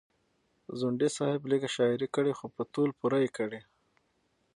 ځونډي صاحب لیږه شاعري کړې خو په تول پوره یې کړې.